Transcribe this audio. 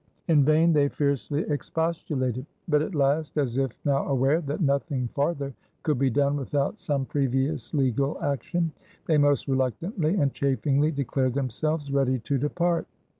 In vain they fiercely expostulated; but at last, as if now aware that nothing farther could be done without some previous legal action, they most reluctantly and chafingly declared themselves ready to depart.